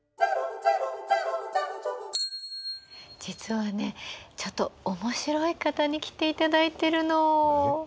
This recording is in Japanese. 実はねちょっと面白い方に来ていただいてるの。